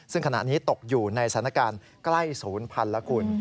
ซึ่งขณะนี้ตกอยู่ในสถานการณ์ใกล้๐๐๐๐ละคุณ